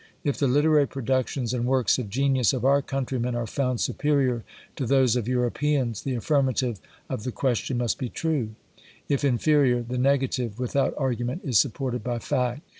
If the literary productions and works of genius of our countrymen are found superiour to those of Europeans, the affirmative of the question must be true ; if inferiour, the negative, without argu ment, is supported by fact.